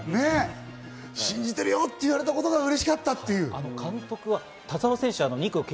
信じてるよって言われたことがうれしかったっていう。